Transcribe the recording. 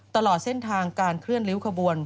ตลอดเส้นทางการเคลื่อนริ้วขบวน